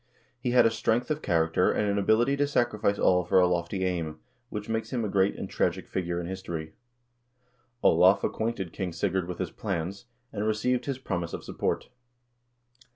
He had a strength of character and an ability to sacrifice all for a lofty aim, which makes him a great and tragic figure in history. Olav acquainted King Sigurd with his plans, and received his promise of support.